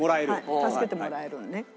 助けてもらえるのね。